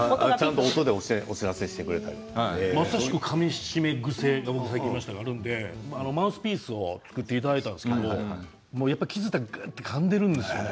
まさしくかみしめ癖が僕はあるのでマウスピースを作っていただいたんですけどやっぱり気付いたらぐっとかんでいるんです。